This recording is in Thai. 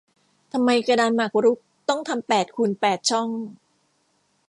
ทำไมกระดานหมากรุกต้องทำแปดคูณแปดช่อง